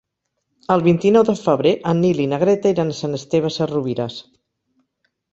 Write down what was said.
El vint-i-nou de febrer en Nil i na Greta iran a Sant Esteve Sesrovires.